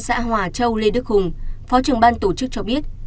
châu lê đức hùng phó trưởng ban tổ chức cho biết